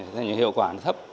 thế nhưng hiệu quả thấp